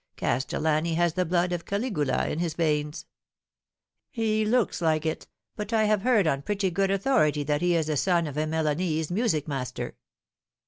Castellani has the blood of Caligula in his veins." " He looks like it ; but I have heard on pretty good authority that he is the son of a Milanese music master."